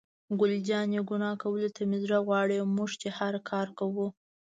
ګل جانې: ګناه کولو ته مې زړه غواړي، موږ چې هر کار کوو.